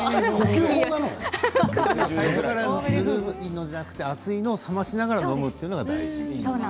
最初からぬるいのではなくて熱いのを冷ましながら飲むというのが大事。